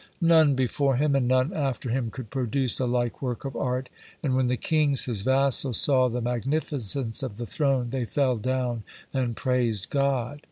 None before him and none after him could produce a like work of art, and when the kings, his vassals, saw the magnificence of the throne they fell down and praised God.